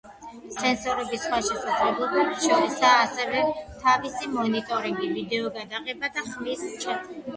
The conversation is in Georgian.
სენსორების სხვა შესაძლებლობებს შორისაა ასევე თავის მონიტორინგი, ვიდეოგადაღება და ხმის ჩაწერა.